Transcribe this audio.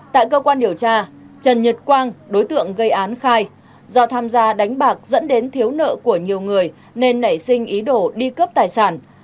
tại cơ quan điều tra trần nhật quang đối tượng gây án khai do tham gia đánh bạc dẫn đến thiếu nợ của nhiều người nên nảy sinh ý đồ đi cướp tài sản